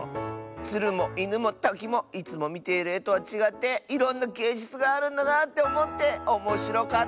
つるもいぬもたきもいつもみているえとはちがっていろんなげいじゅつがあるんだなっておもっておもしろかった！